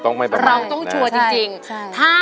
ต้องไม่ประมาทเราต้องชัวร์จริงจริงใช่